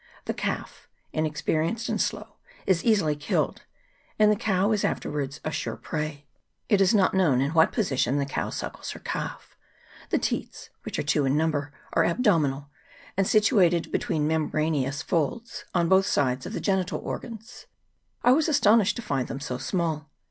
The calf, inexperienced and slow, is easily killed, and the cow is afterwards a sure prey. It is not known in what position the cow suckles her calf. The teats, which are two in number, are abdominal, and situated between membranaceous folds on both sides of the genital organs. I was asto nished to find them so small.